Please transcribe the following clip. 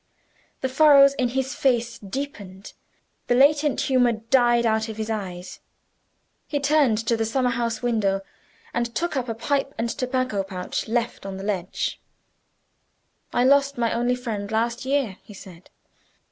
The furrows in his face deepened, the latent humor died out of his eyes. He turned to the summer house window, and took up a pipe and tobacco pouch, left on the ledge. "I lost my only friend last year," he said.